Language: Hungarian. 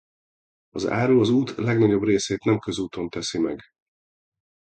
Az áru az út legnagyobb részét nem közúton teszi meg.